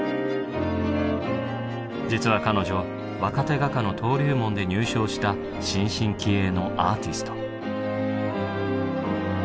実は彼女若手画家の登竜門で入賞した新進気鋭のアーティスト。